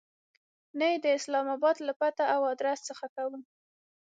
نه یې د اسلام آباد له پته او آدرس څخه کوو.